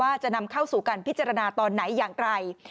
จะนำเข้าสู่การพิจารณาตอนไหนอย่างไร